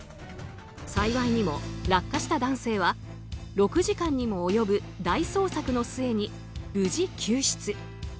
幸いにも落下した男性は６時間にも及ぶ大捜索の末に無事救出。